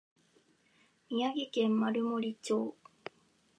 宮城県丸森町